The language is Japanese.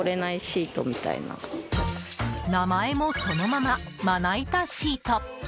名前もそのまま、まな板シート。